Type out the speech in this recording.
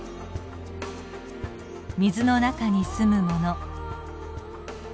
水の中に住むもの。